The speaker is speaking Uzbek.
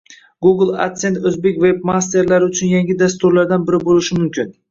Google adsense o’zbek webmasterlari uchun yangi dastur-lardan biri bo’lishi mumkin